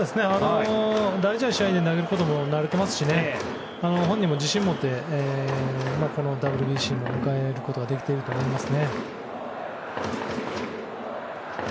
大事な試合で投げることも慣れてますし本人も自信を持ってＷＢＣを迎えられていると思います。